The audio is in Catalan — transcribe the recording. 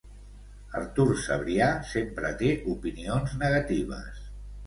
Artur Cebrià sempre té opinions negatives.